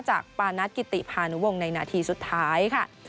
ปานัทกิติพานุวงศ์ในนาทีสุดท้ายค่ะ